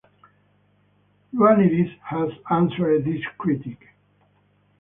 Ioannidis has answered this critique.